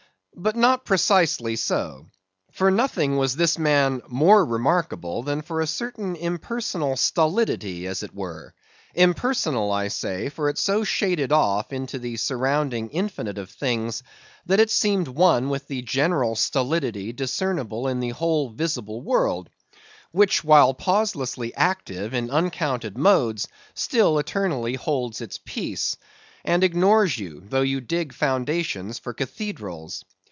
But not precisely so. For nothing was this man more remarkable, than for a certain impersonal stolidity as it were; impersonal, I say; for it so shaded off into the surrounding infinite of things, that it seemed one with the general stolidity discernible in the whole visible world; which while pauselessly active in uncounted modes, still eternally holds its peace, and ignores you, though you dig foundations for cathedrals.